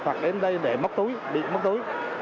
hoặc đến đây để mắc túi